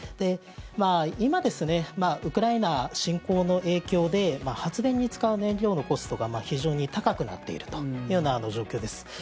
今、ウクライナ侵攻の影響で発電に使う燃料のコストが非常に高くなっているというような状況です。